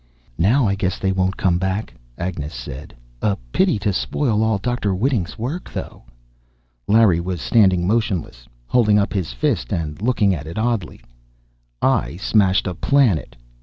"Now I guess they won't come back," Agnes said. "A pity to spoil all Dr. Whiting's work, though." Larry was standing motionless, holding up his fist and looking at it oddly. "I smashed a planet!